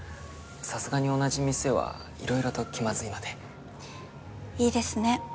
さすがに同じ店はいろいろと気まずいのでいいですね